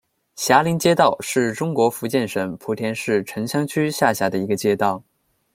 霞林街道是中国福建省莆田市城厢区下辖的一个街道。